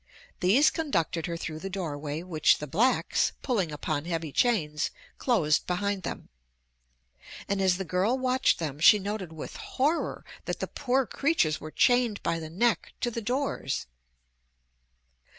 These conducted her through the doorway which the blacks, pulling upon heavy chains, closed behind them. And as the girl watched them she noted with horror that the poor creatures were chained by the neck to the doors.